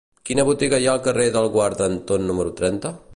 Quina botiga hi ha al carrer del Guarda Anton número trenta?